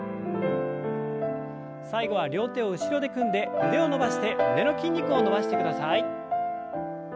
最後は両手を後ろで組んで腕を伸ばして胸の筋肉を伸ばしてください。